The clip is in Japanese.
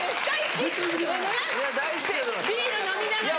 ビール飲みながら。